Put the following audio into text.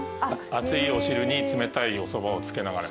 熱いお汁に冷たいおそばをつけながら。